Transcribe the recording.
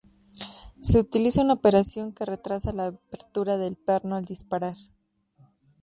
Se utiliza una operación que retrasa la apertura del perno al disparar.